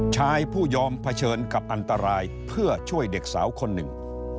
ชายผู้ยอมเผชิญกับอันตรายเพื่อช่วยเด็กสาวคนหนึ่ง